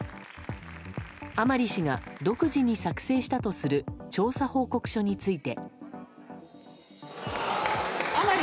甘利氏が独自に作成したとする調査報告書について。